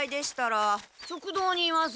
食堂にいます。